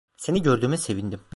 Seni gördüğüme sevindim.